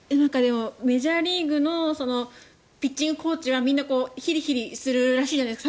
メジャーリーグのピッチングコーチはみんな、ひりひりするらしいじゃないですか。